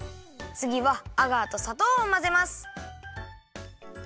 つぎはアガーとさとうをまぜます。